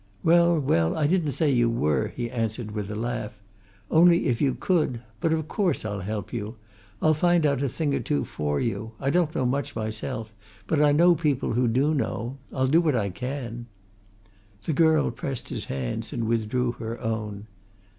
"Well, well, I didn't say you were," he answered with a laugh. "Only if you could but of course I'll help you! I'll find out a thing or two for you: I don't know much myself, but I know people who do know. I'll do what I can." The girl pressed his hands and withdrew her own.